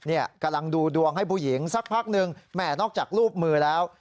กำลังดูดวงให้ผู้หญิงสักพักหนึ่งแหม่นอกจากรูปมือแล้ว